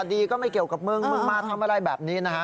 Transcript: ดีก็ไม่เกี่ยวกับมึงมึงมาทำอะไรแบบนี้นะฮะ